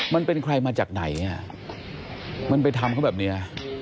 มันเป็นใครมาจากไหนมันไปทำเขาแบบนี้